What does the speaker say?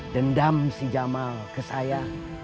dendam si jamal ke saya